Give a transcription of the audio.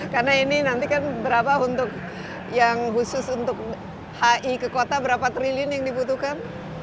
karena ini nanti kan berapa untuk yang khusus untuk hi ke kota berapa triliun yang dibutuhkan